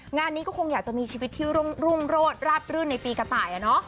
งานนี้ก็คงอยากจะมีชีวิตที่รุ่งโรดราบรื่นในปีกระต่าย